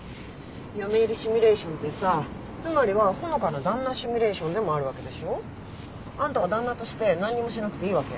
嫁入りシミュレーションってさつまりは穂香の旦那シミュレーションでもあるわけでしょ？あんたは旦那として何にもしなくていいわけ？